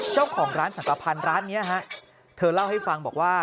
เจ้าของร้านสังกภัณฑ์ร้านนี้ฮะเธอเล่าให้ฟังบอกว่า